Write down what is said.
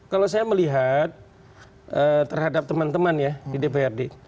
kalau saya melihat terhadap teman teman ya di dprd